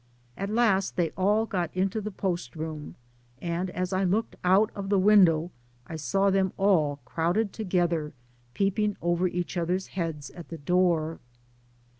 At last they all got into the post room, and as I looked out of the window, I saw them all crowded together peeping over each other's heads at the door.